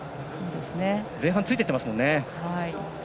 前半ついていってますもんね。